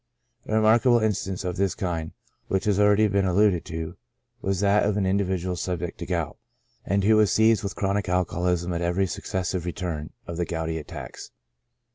A remarkable instance of this kind, which has already been alluded to, was that of an individual subject to gout, and who was seized with chronic alcoholism at every suc cessive return of the gouty attacks.